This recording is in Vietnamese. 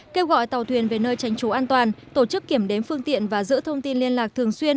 kêu gọi tàu thuyền về nơi tránh trú an toàn tổ chức kiểm đếm phương tiện và giữ thông tin liên lạc thường xuyên